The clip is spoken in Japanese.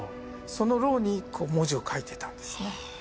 その蝋にこう文字を書いてたんですねはあ